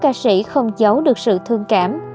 các ca sĩ không giấu được sự thương cảm